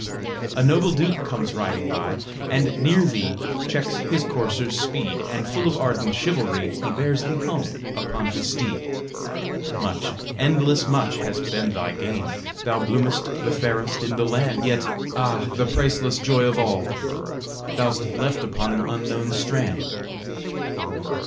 A noble duke comes riding by, And near thee checks his courser's speed, And full of ardent chivalry He bears thee home upon his steed. Much, endless much, has been thy gain! Thou bloom'st the fairest in the land! Yet ah! the priceless joy of all, Thou'st left upon an unknown strand.